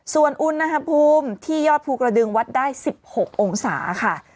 ส่วนอุณหภูมิที่ยอดภูกระดึงวัดได้๑๖องศาค่ะ